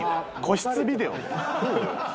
個室ビデオを？